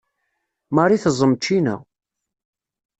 Marie teẓẓem ccina.